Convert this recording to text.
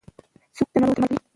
څوک ناروغانو ته درمل ورکوي؟